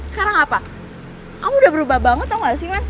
sekarang apa kamu udah berubah banget atau gak sih man